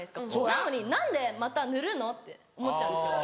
なのに何でまた塗るの？って思っちゃうんですよ。